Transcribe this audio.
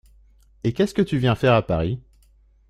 Et qu’est-ce que tu viens faire à Paris ?